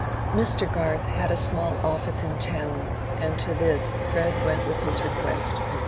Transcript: Mr. Garth had a small office in the town, and to this Fred went with his request.